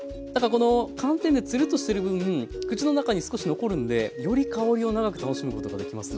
この寒天がツルッとしてる分口の中に少し残るんでより香りを長く楽しむことができますね。